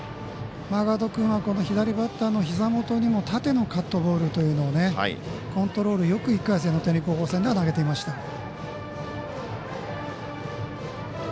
マーガード君は左バッターのひざ元にも縦のカットボールというのをコントロールよく、１回戦の只見高校戦では投げていました。